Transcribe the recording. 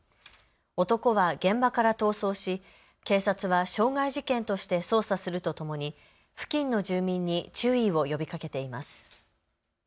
男は現場から逃走し、警察は傷害事件として捜査するとともに付近の住民に注意を呼びかけています。